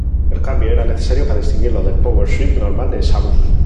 El cambio era necesario para distinguirlo del Power suit Normal de Samus.